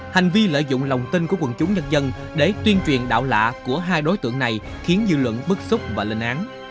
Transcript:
hành vi lợi dụng lòng tin của quần chúng nhân dân để tuyên truyền đạo lạ của hai đối tượng này khiến dư luận bức xúc và lên án